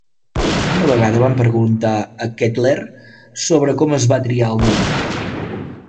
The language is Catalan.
Una vegada van preguntar a Kettler sobre com es va triar el nom.